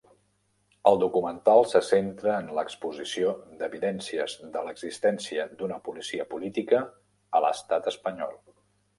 El documental se centra en l'exposició d'evidències de l'existència d'una policia política a l'Estat Espanyol.